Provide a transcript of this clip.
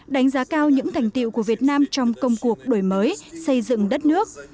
đánh giá cao những thành tiệu của việt nam trong công cuộc đổi mới xây dựng đất nước